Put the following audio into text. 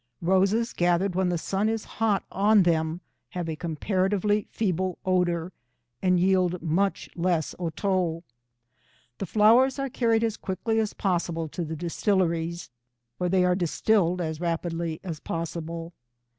Roses gathered when the sun is hot on them have a comparatively feeble odour, and yield much less otto. The flowers are carried as quickly as possible to the distilleries, where they are distilled as rapidly as possible.